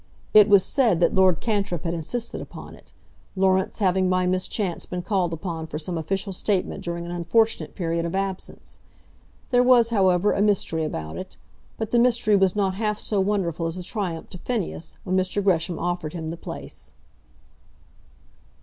It was said that Lord Cantrip had insisted upon it, Laurence having by mischance been called upon for some official statement during an unfortunate period of absence. There was, however, a mystery about it; but the mystery was not half so wonderful as the triumph to Phineas, when Mr. Gresham offered him the place.